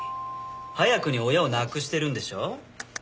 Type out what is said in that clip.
早くに親を亡くしてるんでしょ？